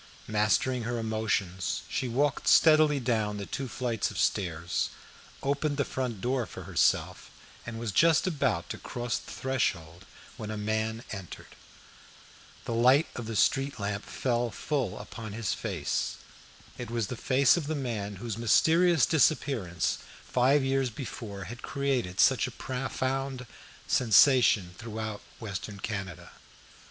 Mastering her emotions, she walked steadily down the two flights of stairs, opened the front door for herself, and was just about to cross the threshold when a man entered. The light of the street lamp fell full upon his face. It was the face of the man whose mysterious disappearance five years before had created such a profound sensation throughout Western Canada.